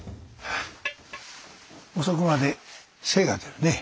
遅くまで精が出るね。